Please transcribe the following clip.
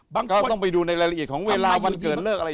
บอกมันต้องดูในรายละเอียดของเวลามันเจอเรื่องอะไร